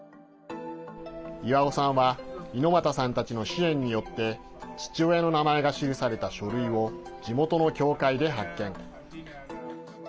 イワオさんは猪俣さんたちの支援によって父親の名前が記された書類を地元の教会で発見。